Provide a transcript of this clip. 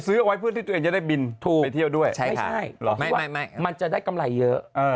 ซื้อเอาไว้เพื่อที่ตัวเองจะได้บินถูกไปเที่ยวด้วยไม่ใช่มันจะได้กำไรเยอะ